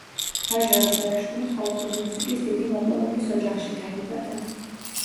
ვაჟა აზარაშვილი ხალხური მუსიკის დიდი მოყვარულის ოჯახში დაიბადა.